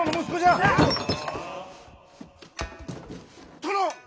殿！